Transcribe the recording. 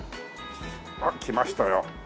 あっ来ましたよ。